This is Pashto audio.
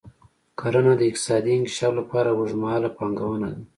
کرنه د اقتصادي انکشاف لپاره اوږدمهاله پانګونه ده.